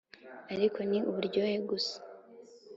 ariko ni uburyohe gusa,